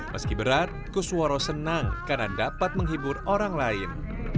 meski berat kusworo senang karena dapat menghibur orang lain